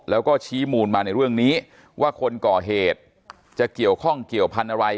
แล้วก็ชี้มูลมาในเรื่องนี้ว่าคนก่อเหตุจะเกี่ยวข้องเกี่ยวพันธุ์อะไร